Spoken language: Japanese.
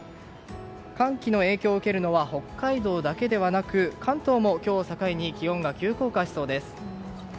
寒気の影響を受けるのは北海道だけではなく関東も今日を境に気温が急降下しそうです。